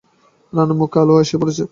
রানুর মুখে আলো এসে পড়েছে।